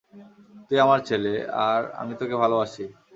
তুই আমার ছেলে, আর আমি তোকে ভালোবাসি।